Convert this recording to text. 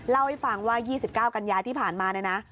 เล่าให้ฟังว่า๒๙กัญญาที่ผ่านมานะ